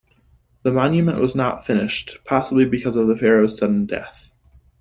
The monument was not finished, possibly because of the pharaoh's sudden death.